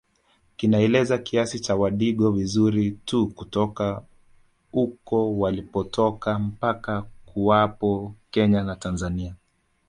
kinaeleza kisa cha wadigo vizuri tu kutoka huko walipotoka mpaka kuwapo Kenya na Tanzania